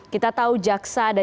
kita tahu jaxa